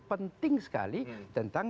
penting sekali tentang